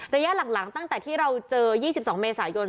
ระยะหลังตั้งแต่ที่เราเจอ๒๒เมษายน